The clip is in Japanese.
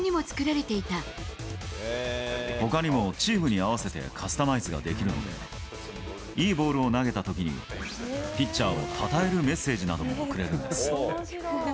ほかにもチームに合わせてカスタマイズができるので、いいボールを投げたときに、ピッチャーをたたえるメッセージなども送れるんです。